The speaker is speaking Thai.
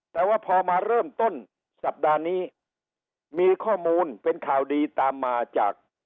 แต่ว่าพอมาเริ่มต้นสัปดาห์นี้มีข้อมูลเป็นข่าวดีตามมาจาก